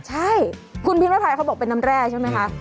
ใช่คุณพิมพ์พิมพ์พิมพ์เขาบอกเป็นน้ำแร่ใช่ไหมคะ